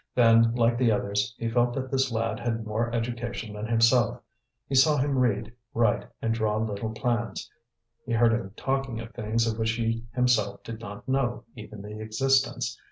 Then, like the others, he felt that this lad had more education than himself; he saw him read, write, and draw little plans; he heard him talking of things of which he himself did not know even the existence.